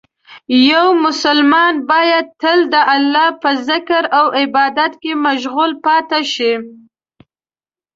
یو مسلمان باید تل د الله په ذکر او عبادت کې مشغول پاتې شي.